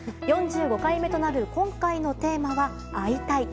４５回目となる今回のテーマは「会いたい！」。